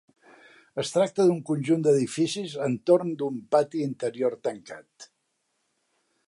Es tracta d'un conjunt d'edificis entorn d'un pati interior tancat.